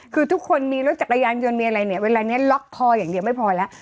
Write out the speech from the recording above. แล้วจักรยานยนต์มีอะไรเนี่ยเวลานี้ล็อกพออย่างเดียวไม่พอแล้ว